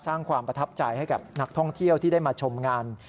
สร้างความประทับใจให้กับนักท่องเที่ยวที่ได้มาชมงาน